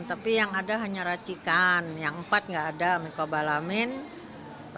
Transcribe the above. tadi begitu dapat nomor bilang